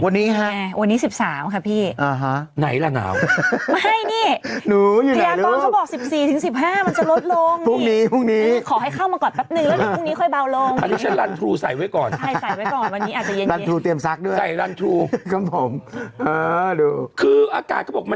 วันนี้หรือไงวันนี้๑๓ค่ะพี่อ่าฮะ